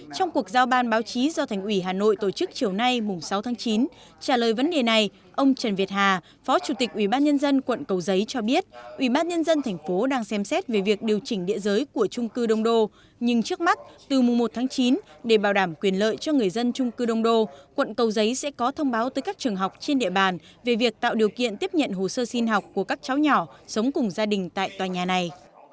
trong cuộc giao ban báo chí do thành ủy hà nội tổ chức chiều nay mùng sáu tháng chín trả lời vấn đề này ông trần việt hà phó chủ tịch ủy ban nhân dân quận cầu giấy cho biết ủy ban nhân dân thành phố đang xem xét về việc điều chỉnh địa giới của trung cư đồng đô nhưng trước mắt từ mùng một tháng chín để bảo đảm quyền lợi cho người dân trung cư đồng đô quận cầu giấy sẽ có thông báo tới các trường học trên địa bàn về việc tạo điều kiện tiếp nhận hồ sơ xin học của các cháu nhỏ sống cùng gia đình tại tòa nhà này